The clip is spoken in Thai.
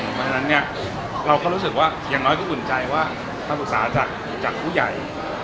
เพราะฉะนั้นเนี่ยเราก็รู้สึกว่าอย่างน้อยก็อุ่นใจว่าคำปรึกษาจากผู้ใหญ่